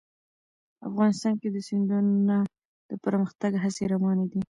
افغانستان کې د سیندونه د پرمختګ هڅې روانې دي.